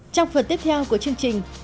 trong phần tiếp theo của chương trình